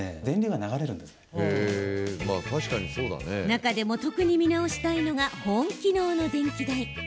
中でも特に見直したいのが保温機能の電気代。